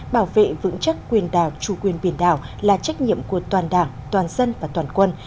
bảo vệ vững chắc quyền đảo trù quyền biển đảo là trách nhiệm của toàn đảng toàn dân và toàn quân